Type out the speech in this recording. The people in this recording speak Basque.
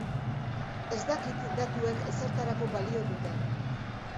Ez dakit datuek ezertarako balio duten